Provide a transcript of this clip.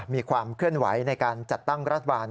มีความเคลื่อนไหวในการจัดตั้งรัฐบาล